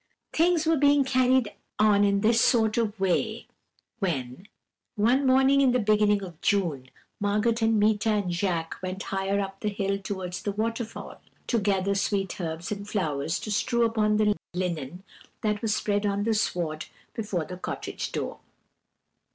"Things were being carried on in this sort of way when, one morning in the beginning of June, Margot and Meeta and Jacques went higher up the hill towards the waterfall to gather sweet herbs and flowers to strew upon the linen that was spread on the sward before the cottage door.